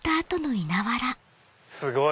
すごい！